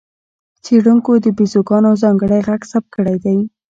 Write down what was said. څېړونکو د بیزوګانو ځانګړی غږ ثبت کړی دی.